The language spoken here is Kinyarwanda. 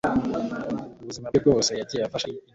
ubuzima bwe bwose Yagiye afasha idini